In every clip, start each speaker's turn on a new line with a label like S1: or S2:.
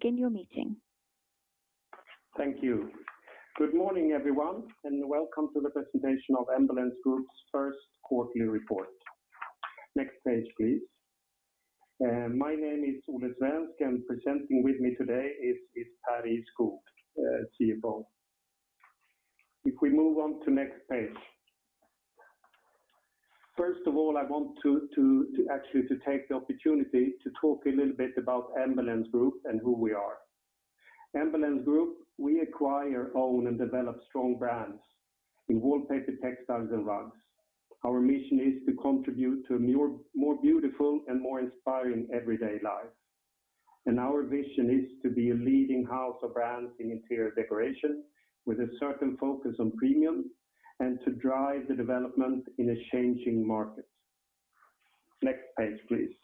S1: Please begin your meeting.
S2: Thank you. Good morning, everyone, welcome to the presentation of Embellence Group's first quarterly report. Next page, please. My name is Olle Svensk, and presenting with me today is Pär Ihrskog, CFO. If we move on to next page. First of all, I want to actually take the opportunity to talk a little bit about Embellence Group and who we are. Embellence Group, we acquire, own, and develop strong brands in wallpaper, textiles, and rugs. Our mission is to contribute to a more beautiful and more inspiring everyday life. Our vision is to be a leading house of brands in interior decoration with a certain focus on premium and to drive the development in a changing market. Next page, please.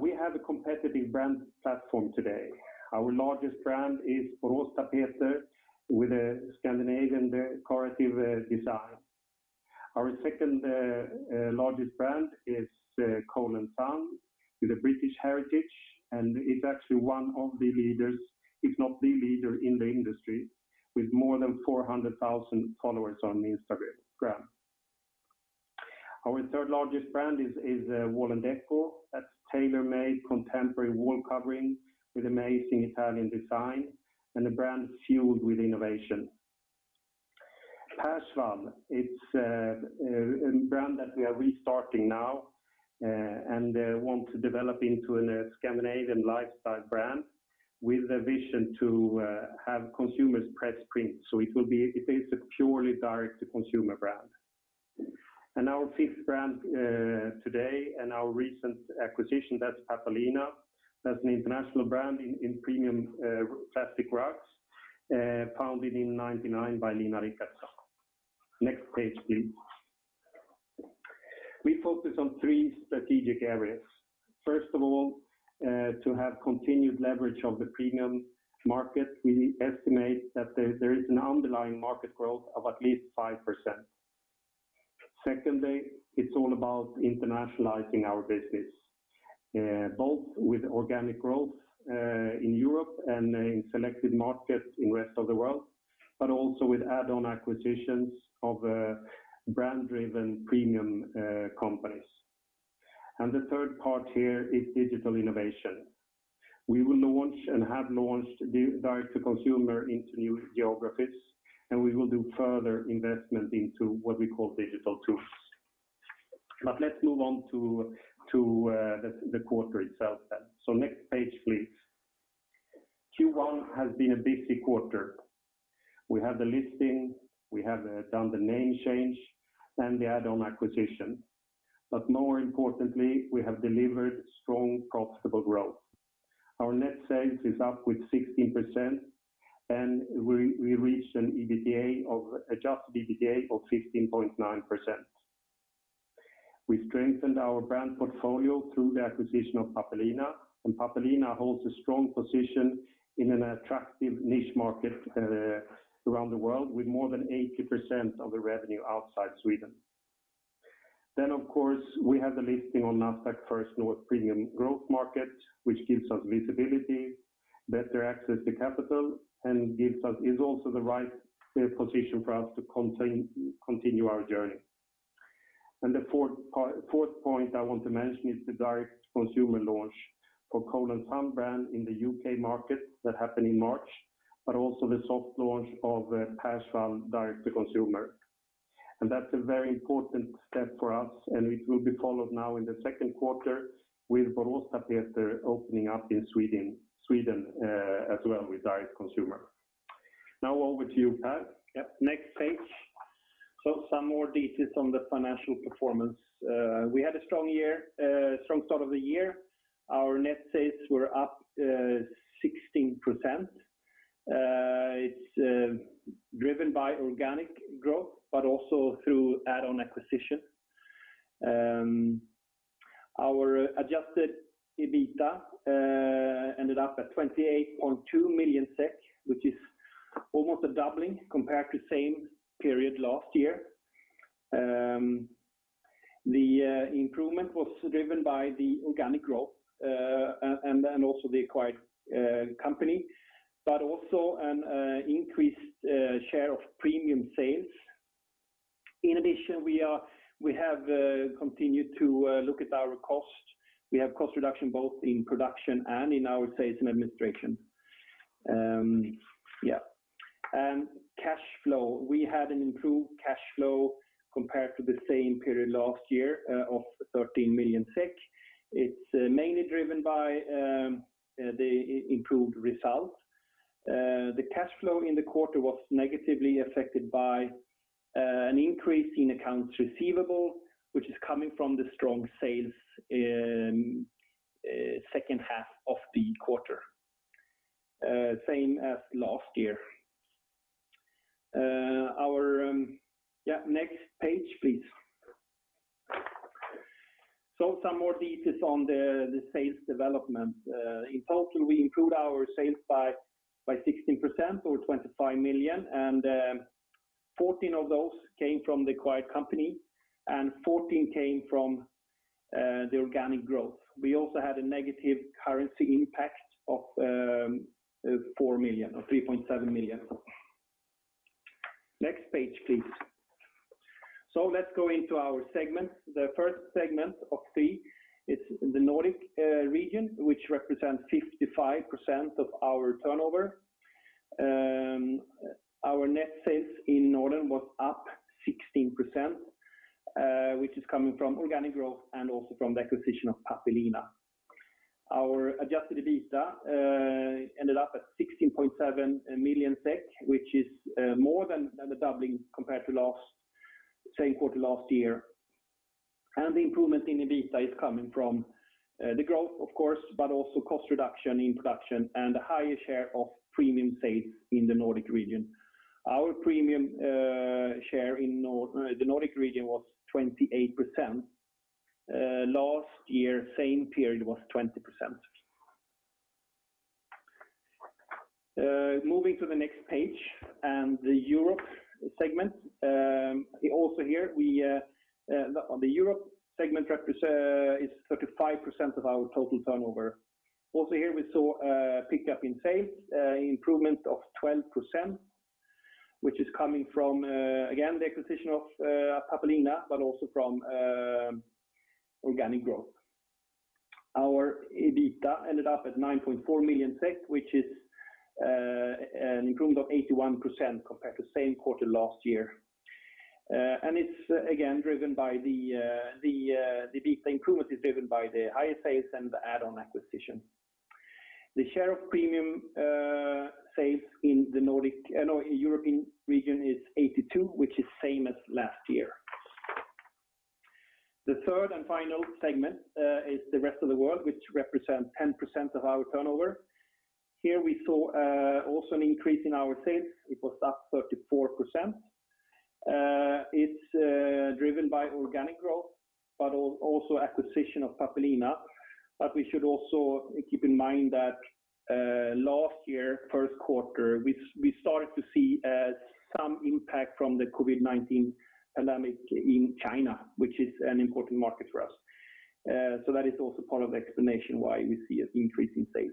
S2: We have a competitive brand platform today. Our largest brand is Boråstapeter with a Scandinavian decorative design. Our second-largest brand is Cole & Son with a British heritage, and is actually one of the leaders, if not the leader in the industry, with more than 400,000 followers on Instagram. Our third-largest brand is Wall&decò. That's tailor-made contemporary wall covering with amazing Italian design and a brand fueled with innovation. Perswall, it's a brand that we are restarting now and want to develop into a Scandinavian lifestyle brand with a vision to have consumers press print. It will be a purely direct-to-consumer brand. Our fifth brand today and our recent acquisition, that's Pappelina. That's an international brand in premium plastic rugs, founded in 1999 by Nina Ricca. Next page, please. We focus on three strategic areas. First of all, to have continued leverage of the premium market, we estimate that there is an underlying market growth of at least 5%. Secondly, it's all about internationalizing our business, both with organic growth in Europe and in selected markets in rest of the world, but also with add-on acquisitions of brand-driven premium companies. The third part here is digital innovation. We will launch and have launched direct-to-consumer into new geographies, and we will do further investment into what we call digital tools. Let's move on to the quarter itself then. Next page, please. Q1 has been a busy quarter. We had the listing, we have done the name change, and the add-on acquisition. More importantly, we have delivered strong, profitable growth. Our net sales is up with 16%, and we reached an adjusted EBITDA of 15.9%. We strengthened our brand portfolio through the acquisition of Pappelina holds a strong position in an attractive niche market around the world with more than 80% of the revenue outside Sweden. Of course, we have a listing on Nasdaq First North Premier Growth Market, which gives us visibility, better access to capital, and is also the right position for us to continue our journey. The fourth point I want to mention is the direct-to-consumer launch for Cole & Son brand in the U.K. market that happened in March, but also the soft launch of Perswall direct-to-consumer. That's a very important step for us, and it will be followed now in the second quarter with Boråstapeter opening up in Sweden as well with direct-to-consumer. Now over to you, Pär.
S3: Yep. Next page. Some more details on the financial performance. We had a strong start of the year. Our net sales were up 16%. It's driven by organic growth, but also through add-on acquisition. Our adjusted EBITDA ended up at 28.2 million SEK, which is almost a doubling compared to same period last year. The improvement was driven by the organic growth, and then also the acquired company, but also an increased share of premium sales. In addition, we have continued to look at our cost. We have cost reduction both in production and in our sales administration. Yeah. Cash flow. We had an improved cash flow compared to the same period last year of 13 million SEK. It's mainly driven by the improved result. The cash flow in the quarter was negatively affected by an increase in accounts receivable, which is coming from the strong sales in second half of the quarter. Same as last year. Next page, please. Some more details on the sales development. In total, we improved our sales by 16% or 25 million, and 14 of those came from the acquired company and 14 came from the organic growth. We also had a negative currency impact of 3.7 million. Next page, please. Let's go into our segments. The first segment of C is the Nordic region, which represents 55% of our turnover. Our net sales in Norden was up 16%, which is coming from organic growth and also from the acquisition of Pappelina. Our adjusted EBITDA ended up at 16.7 million SEK, which is more than doubling compared to the same quarter last year. The improvement in EBITDA is coming from the growth, of course, but also cost reduction, introduction, and a higher share of premium sales in the Nordic region. Our premium share in the Nordic region was 28%. Last year, same period, was 20%. Moving to the next page and the Europe segment is 35% of our total turnover. Also here we saw a pickup in sales, an improvement of 12%, which is coming from, again, the acquisition of Pappelina, but also from organic growth. Our EBITDA ended up at 9.4 million SEK, which is an improvement of 81% compared to the same quarter last year. The EBITDA improvement is driven by the high sales and the add-on acquisition. The share of premium sales in the European region is 82%, which is same as last year. The third and final segment is the rest of the world, which represents 10% of our turnover. We saw also an increase in our sales. It was up 34%. It's driven by organic growth, also acquisition of Pappelina. We should also keep in mind that last year, first quarter, we started to see some impact from the COVID-19 pandemic in China, which is an important market for us. That is also part of the explanation why we see an increase in sales.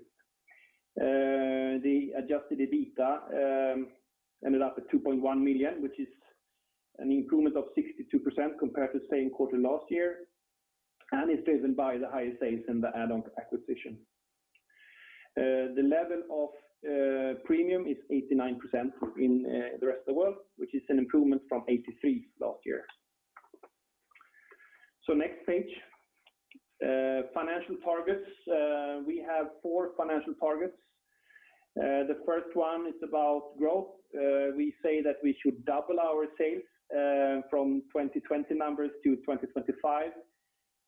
S3: The adjusted EBITDA ended up at 2.1 million, which is an improvement of 62% compared to the same quarter last year. It's driven by the high sales and the add-on acquisition. The level of premium is 89% in the rest of the world, which is an improvement from 86% last year. Next page, financial targets. We have four financial targets. The first one is about growth. We say that we should double our sales from 2020 numbers to 2025,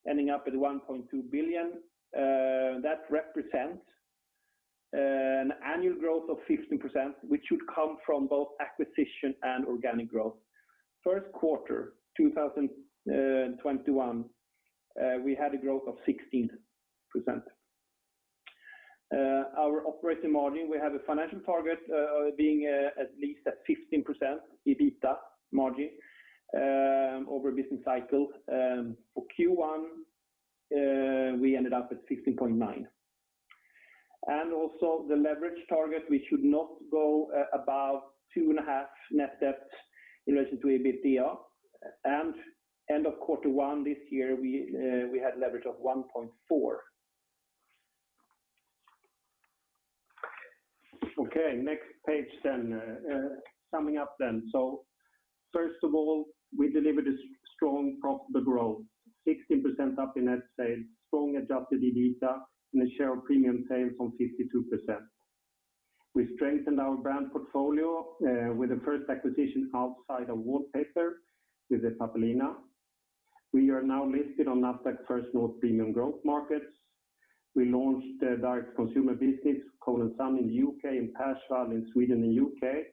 S3: ending up at 1.2 billion. That represents an annual growth of 16%, which should come from both acquisition and organic growth. First quarter 2021, we had a growth of 16%. Our operating margin, we had a financial target being at least at 15% EBITDA margin over business cycle. For Q1, we ended up at 16.9%. Also the leverage target, we should not go above 2.5 net debt in relation to EBITDA. End of Q1 this year, we had leverage of 1.4.
S2: Next page. Summing up. First of all, we delivered a strong profitable growth, 16% up in net sales, strong adjusted EBITDA and a share of premium sales of 52%. We strengthened our brand portfolio with the first acquisition outside of wallpaper with Pappelina. We are now listed on Nasdaq First North Premier Growth Market. We launched the direct-to-consumer business, Cole & Son in the U.K.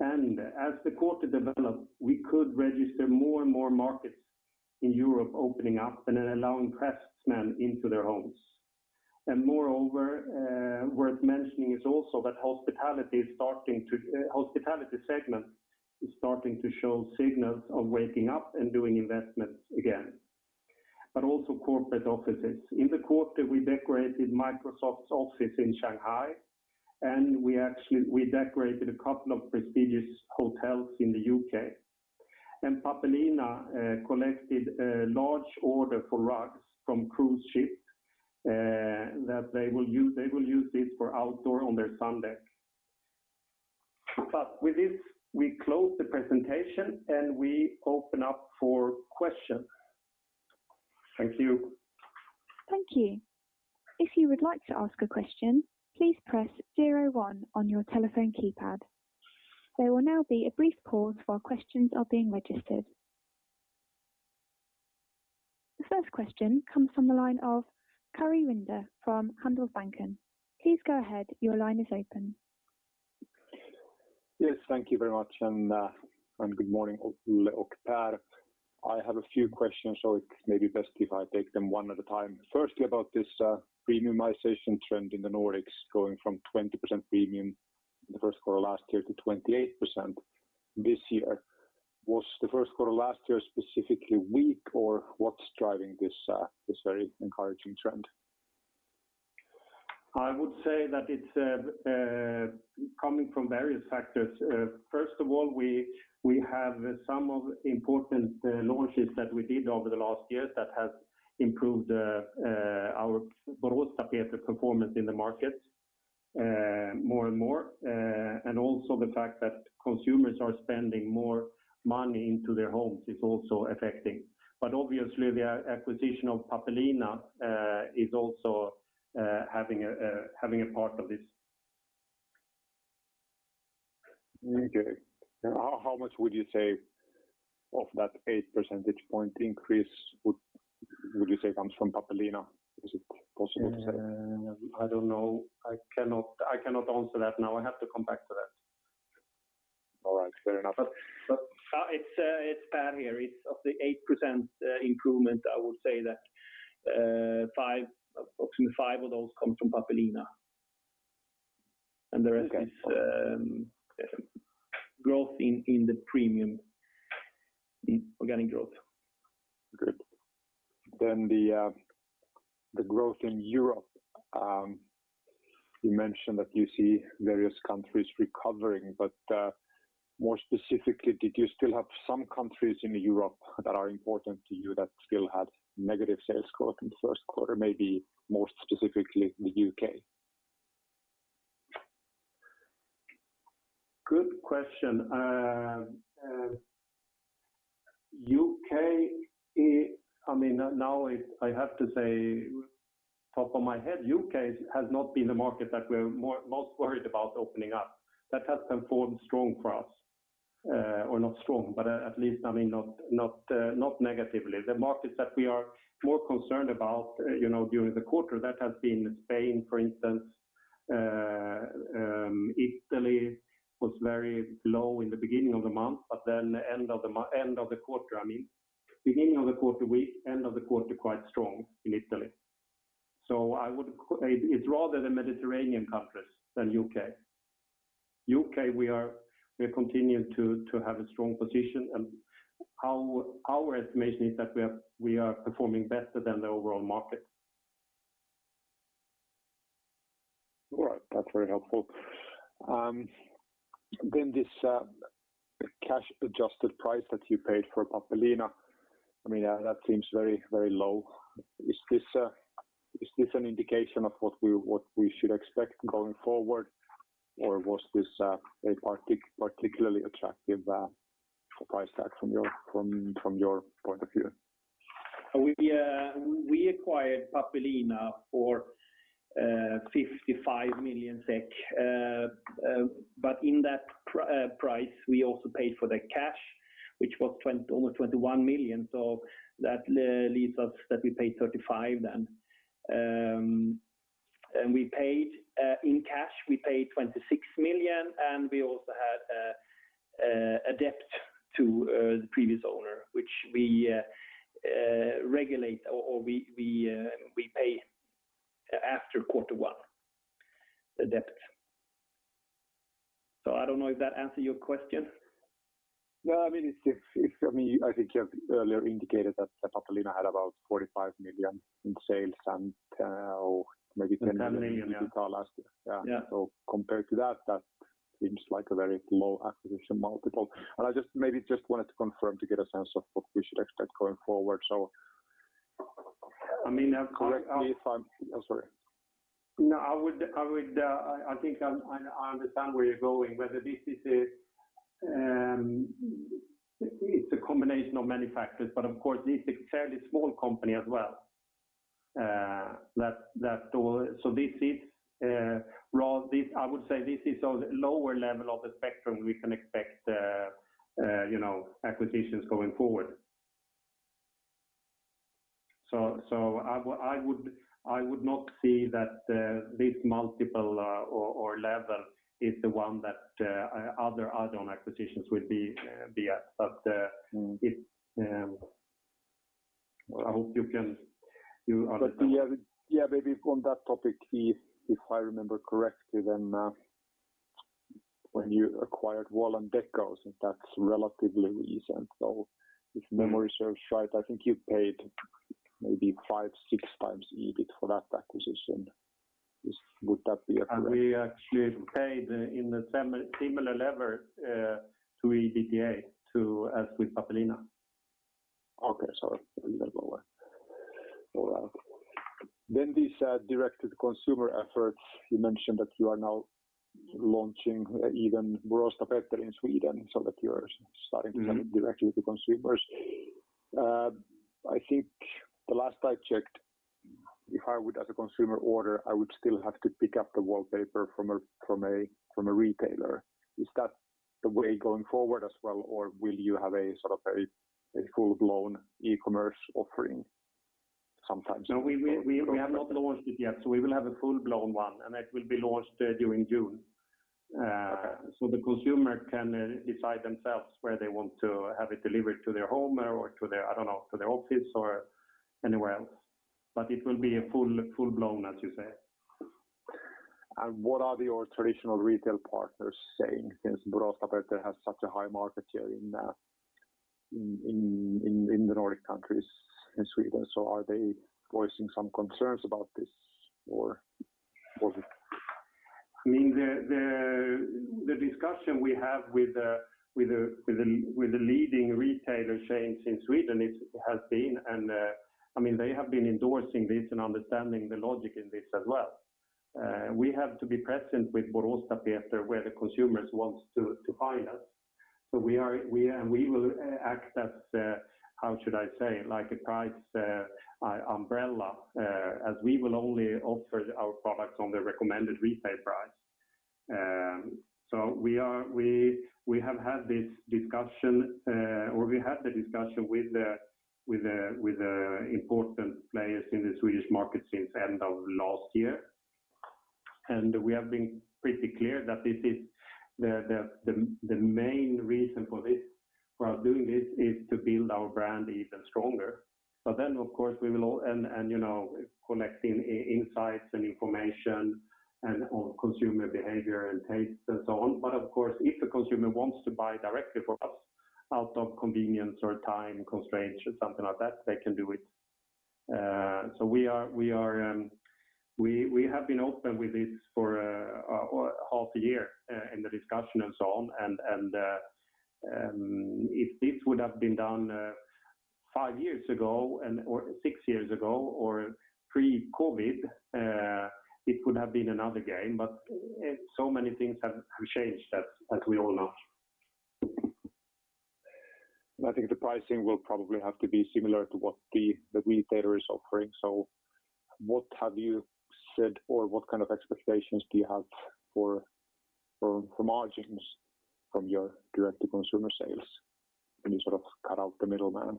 S2: and Perswall in Sweden and U.K. As the quarter developed, we could register more and more markets in Europe opening up and allowing craftsmen into their homes. Moreover, worth mentioning is also that hospitality segment is starting to show signals of waking up and doing investments again, but also corporate offices. In the quarter, we decorated Microsoft's office in Shanghai, and we decorated a couple of prestigious hotels in the U.K. Pappelina collected a large order for rugs from cruise ships that they will use this for outdoor on their sundeck. With this, we close the presentation and we open up for questions. Thank you.
S1: Thank you. If you would like to ask a question, please press zero one on your telephone keypad. There will now be a brief pause while questions are being registered. The first question comes from the line of [Karin Lidén] from Handelsbanken. Please go ahead. Your line is open.
S4: Yes, thank you very much and good morning all of you. I have a few questions, so it may be best if I take them one at a time. Firstly, about this premiumization trend in the Nordics going from 20% premium in the first quarter last year to 28% this year. Was the first quarter last year specifically weak, or what's driving this very encouraging trend?
S2: I would say that it's coming from various factors. First of all, we have some of important launches that we did over the last year that have improved our Boråstapeter performance in the market more and more. Also, the fact that consumers are spending more money into their homes is also affecting. Obviously, the acquisition of Pappelina is also having a part of this.
S4: Okay. How much would you say of that eight percentage point increase would you say comes from Pappelina? Is it possible to say?
S2: I don't know. I cannot answer that now. I have to come back to that.
S4: All right. Fair enough.
S3: It's Pär here. Of the 8% improvement, I would say that approximately five of those come from Pappelina, and the rest is growth in the premium, organic growth.
S4: Good. The growth in Europe. You mentioned that you see various countries recovering, but more specifically, did you still have some countries in Europe that are important to you that still had negative sales growth in the first quarter, maybe more specifically the U.K.?
S2: Good question. I have to say, top of my head, U.K. has not been the market that we're most worried about opening up. That has performed strong for us. Not strong, but at least not negatively. The markets that we are more concerned about during the quarter, that has been Spain, for instance. Italy was very low in the beginning of the month, but then end of the quarter, I mean, beginning of the quarter weak, end of the quarter quite strong in Italy. It's rather the Mediterranean countries than U.K. U.K., we are continuing to have a strong position, and our estimation is that we are performing better than the overall market.
S4: All right. That's very helpful. This cash-adjusted price that you paid for Pappelina, that seems very low. Is this an indication of what we should expect going forward, or was this a particularly attractive price tag from your point of view?
S3: We acquired Pappelina for SEK 55 million. In that price, we also paid for the cash, which was almost 21 million. That leaves us that we paid 35 million then. In cash, we paid 26 million, and we also had a debt to the previous owner, which we regulate, or we pay after Q1, the debt. I don't know if that answered your question.
S4: No, I think you earlier indicated that Pappelina had about 45 million in sales and maybe 10 million.
S2: 10 million, yeah.
S4: Last year.
S2: Yeah.
S4: Compared to that seems like a very low acquisition multiple. I just maybe just wanted to confirm to get a sense of what we should expect going forward.
S2: I mean-
S4: Correct me if I'm sorry.
S2: I think I understand where you're going. It's a combination of many factors. Of course, this is a fairly small company as well. I would say this is on the lower level of the spectrum we can expect acquisitions going forward. I would not say that this multiple or level is the one that other add-on acquisitions will be at. I hope you can understand.
S4: Maybe on that topic, if I remember correctly, then when you acquired Wall&decò, since that's relatively recent. If memory serves right, I think you paid maybe five, 6x EBIT for that acquisition. Would that be accurate?
S2: We actually paid in a similar level to EBITDA as with Pappelina.
S4: Okay. Sorry. You can go on. These direct-to-consumer efforts, you mentioned that you are now launching even Boråstapeter in Sweden so that you are starting to sell directly to consumers. I think the last I checked, if I would as a consumer order, I would still have to pick up the wallpaper from a retailer. Is that the way going forward as well, or will you have a full-blown e-commerce offering? Sometimes.
S2: We have not launched it yet. We will have a full-blown one. It will be launched during June. The consumer can decide themselves where they want to have it delivered, to their home or to their office or anywhere else. It will be full-blown, as you say.
S4: What are your traditional retail partners saying, since Boråstapeter has such a high market share in the Nordic countries and Sweden? Are they voicing some concerns about this?
S2: The discussion we have with the leading retailer chains in Sweden has been, they have been endorsing this and understanding the logic in this as well. We have to be present with Boråstapeter where the consumers want to buy us. We will act as, how should I say? Like a price umbrella, as we will only offer our products on the recommended retail price. We have had the discussion with the important players in the Swedish market since end of last year, and we have been pretty clear that the main reason for us doing this is to build our brand even stronger. Of course, we will collect insights and information on consumer behavior and tastes and so on. Of course, if the consumer wants to buy directly from us out of convenience or time constraints or something like that, they can do it. We have been open with this for half a year in the discussion and so on. If this would have been done five years ago or six years ago, or pre-COVID-19, it would have been another game, but so many things have changed, as we all know.
S4: I think the pricing will probably have to be similar to what the retailer is offering. What have you said, or what kind of expectations do you have for margins from your direct-to-consumer sales when you sort of cut out the middleman?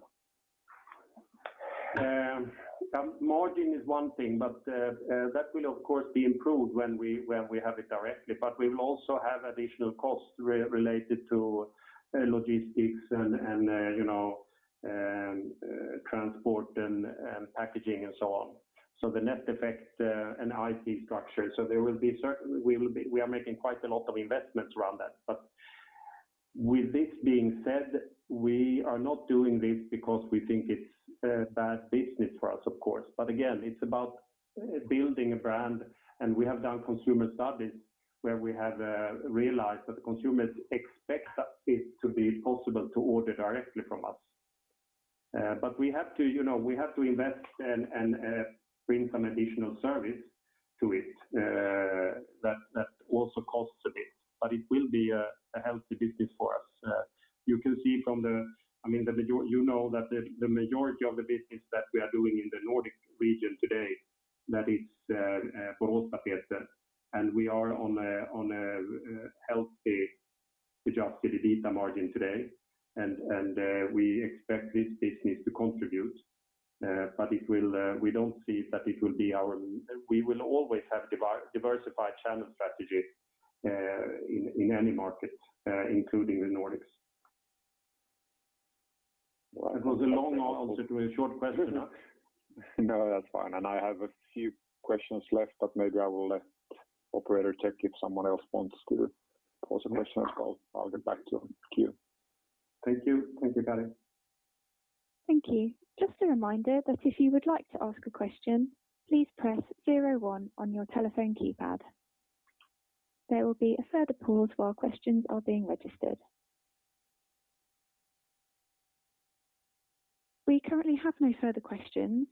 S2: Margin is one thing. That will of course be improved when we have it directly. We'll also have additional costs related to logistics and transport and packaging and so on. The net effect and IT structure. We are making quite a lot of investments around that. With this being said, we are not doing this because we think it's bad business for us, of course. Again, it's about building a brand, and we have done consumer studies where we have realized that consumers expect it to be possible to order directly from us. We have to invest and bring some additional service to it that also costs a bit, but it will be a healthy business for us. You know that the majority of the business that we are doing in the Nordic region today, that is Boråstapeter. We are on a healthy adjusted EBITDA margin today. We expect this business to contribute. We will always have a diversified channel strategy in any market, including the Nordics. That was a long answer to a short question.
S4: No, that's fine. I have a few questions left, but maybe I will let Operator check if someone else wants to pose a question as well. I'll get back to you.
S2: Thank you, Danny.
S1: Thank you. Just a reminder that if you would like to ask a question, please press zero one on your telephone keypad. There will be a further pause while questions are being registered. We currently have no further questions.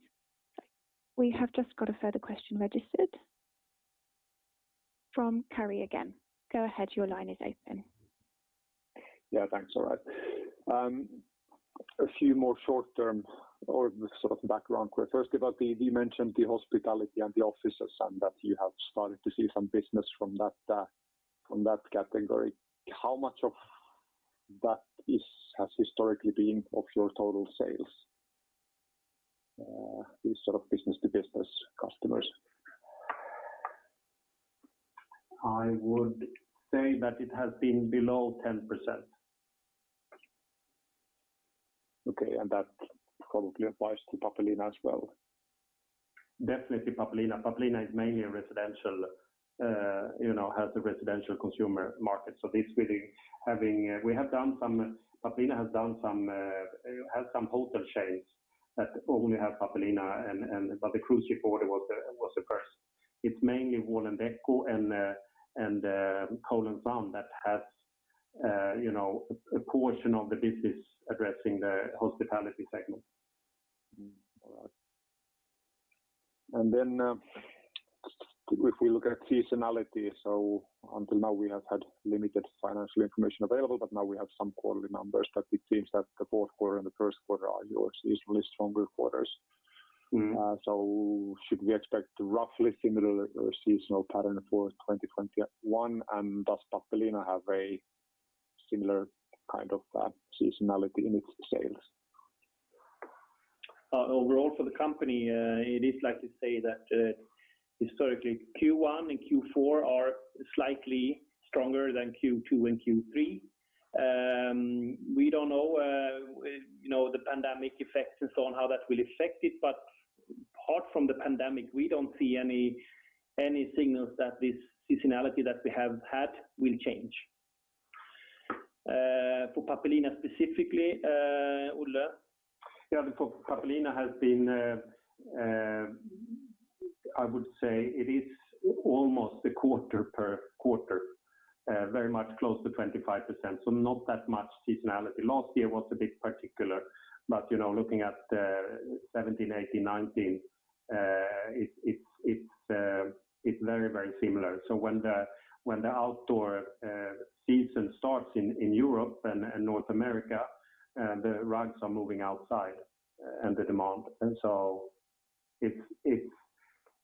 S1: We have just got a further question registered from Kari again. Go ahead, your line is open.
S4: Yeah, thanks. All right. A few more short-term or sort of background. First of all, you mentioned the hospitality and the offices and that you have started to see some business from that category. How much of that has historically been of your total sales? These sort of business-to-business customers.
S2: I would say that it has been below 10%.
S4: Okay, that probably applies to Pappelina as well.
S2: Definitely Pappelina. Pappelina is mainly residential, has a residential consumer market. Pappelina has some hotel chains that only have Pappelina, but the cruise ship order was the first. It's mainly Wall&decò and Cole & Son that have a portion of the business addressing the hospitality segment.
S4: All right. If we look at seasonality, until now we have had limited financial information available, now we have some quarterly numbers that it seems that the fourth quarter and the first quarter are your seasonally stronger quarters. Should we expect roughly similar seasonal pattern for 2021? Does Pappelina have? Similar kind of seasonality in its sales.
S3: Overall for the company, it is like to say that historically Q1 and Q4 are slightly stronger than Q2 and Q3. We don't know the pandemic effects and so on, how that will affect it, but apart from the pandemic, we don't see any signals that this seasonality that we have had will change. For Pappelina specifically, Olle?
S2: For Pappelina has been, I would say it is almost a quarter per quarter very much close to 25%, so not that much seasonality. Last year was a bit particular, but looking at 2017, 2018, 2019 it's very similar. When the outdoor season starts in Europe and North America, the rugs are moving outside and the demand. It's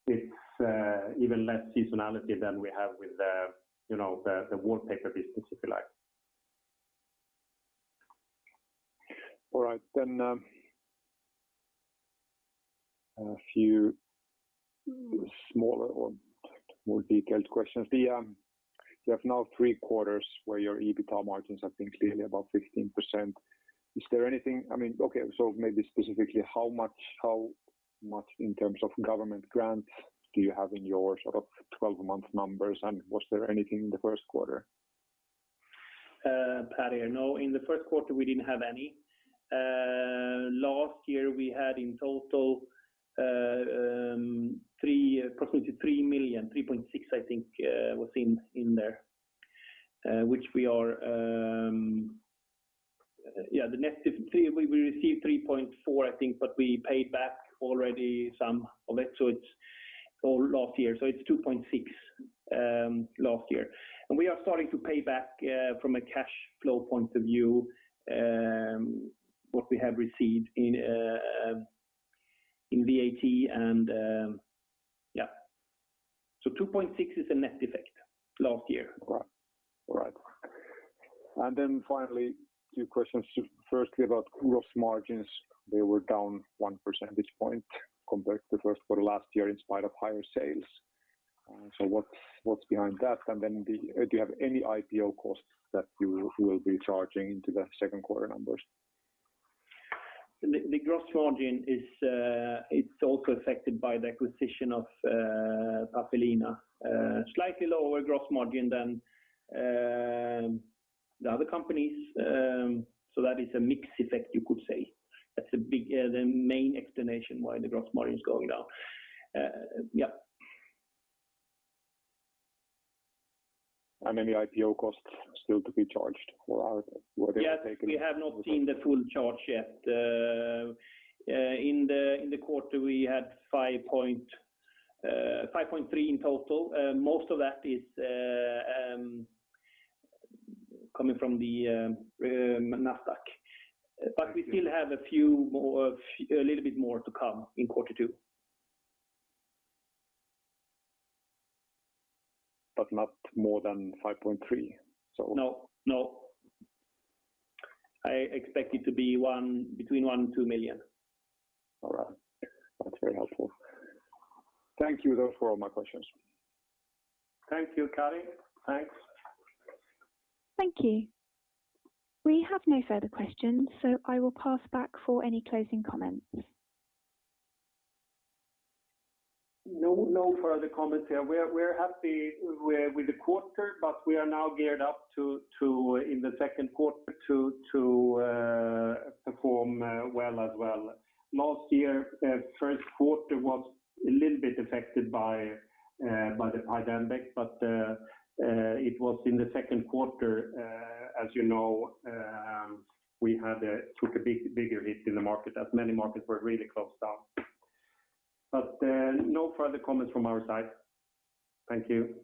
S2: even less seasonality than we have with the wallpaper business, if you like.
S4: All right, a few smaller or more detailed questions. You have now three quarters where your EBITDA margins have been clearly above 15%. Maybe specifically, how much in terms of government grants do you have in your sort of 12-month numbers, and was there anything in the first quarter?
S3: Pär here. No, in the first quarter, we didn't have any. Last year we had in total approximately 3 million, 3.6 I think was in there. We received 3.4, I think, but we paid back already some of it last year, so it's 2.6 last year. We are starting to pay back from a cash flow point of view what we have received in VAT and yeah. 2.6 is a net effect last year.
S4: All right. Finally, two questions. Firstly, about gross margins, they were down one percentage point compared to first quarter last year in spite of higher sales. What's behind that? Do you have any IPO costs that you will be charging into the second quarter numbers?
S3: The gross margin it's also affected by the acquisition of Pappelina. Slightly lower gross margin than the other companies. That is a mix effect, you could say. That's the main explanation why the gross margin is going down. Yeah.
S4: Any IPO costs still to be charged or are they taken?
S3: Yes, we have not seen the full charge yet. In the quarter, we had 5.3 in total. Most of that is coming from the Nasdaq. We still have a little bit more to come in quarter two.
S4: Not more than 5.3?
S3: No. I expect it to be between one and 2 million.
S4: All right. That's very helpful. Thank you. Those were all my questions.
S2: Thank you, Kari. Thanks.
S1: Thank you. We have no further questions. I will pass back for any closing comments.
S2: No further comments here. We're happy with the quarter, but we are now geared up in the second quarter to perform well as well. Last year, first quarter was a little bit affected by the pandemic, but it was in the second quarter, as you know, we took a bigger hit in the market as many markets were really closed down. No further comments from our side. Thank you.